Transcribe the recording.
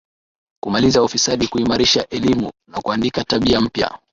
Kumaliza ufisadi kuimarisha elimu na kuandika katiba mpya